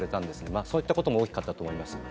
そういったことも大きかったと思います。